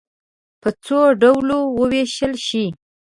په څو ډلو وویشل شئ.